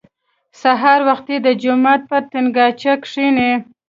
سهار وختي د جومات پر تنګاچه کښېني.